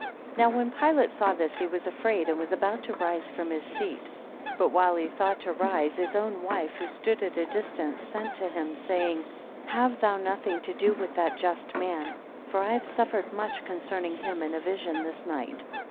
NOW when Pilate saw this, he was afraid, and was about to rise from his seat. 2 But while he thought to rise, his own wife who stood at a distance, sent to him, saying, Have thou nothing to do with that just man; for I have suffered much concerning him in a vision this night.